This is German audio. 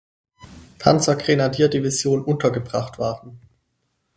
Panzergrenadierdivision untergebracht waren.